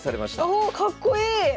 おおかっこいい！